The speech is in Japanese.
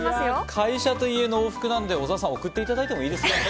会社と家の往復なんで小澤さん送っていただいてよろしいですか。